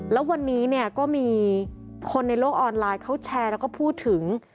แล้ววันนี้เนี่ยก็มีคนในโลกออนไลน์เขาแชร์แล้วก็พูดถึง